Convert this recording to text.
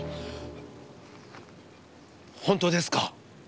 本当ですか？